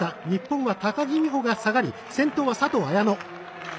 日本は高木美帆が下がり先頭は佐藤綾乃。